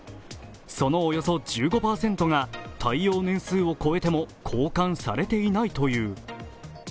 そのおよそ１５％が耐用年数を超えても交換されていないという。